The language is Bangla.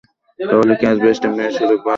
তা হলে ক্যাচ বা স্টাম্পিংয়ের সুযোগ বাড়বে।